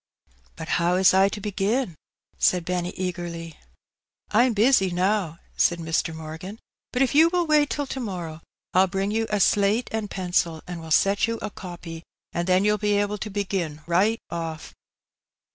*^ But how is I to begin ?" said Benny eagerly. *^Fm busy now," said Mr. Morgan, "but if you will wait till to morrow, 1^11 bring you a slate and pencil and will set you a copy, and then you'll be able to begin right ofiF."